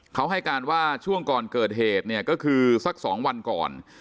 เขาให้การว่าช่วงก่อนเกิดเหตุเนี่ยก็คือสัก๒วันก่อน